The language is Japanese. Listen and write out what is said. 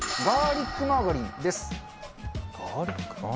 ガーリックマーガリン？